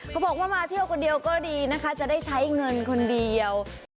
เขาบอกว่ามาเที่ยวคนเดียวก็ดีนะคะจะได้ใช้เงินคนเดียว